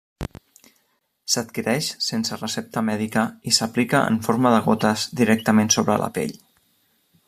S’adquireix sense recepta mèdica i s’aplica en forma de gotes directament sobre la pell.